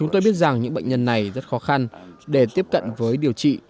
tôi biết rằng những bệnh nhân này rất khó khăn để tiếp cận với điều trị